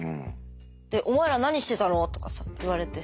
で「お前ら何してたの」とかさ言われてさ。